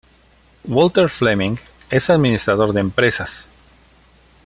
Walter Fleming es administrador de empresas.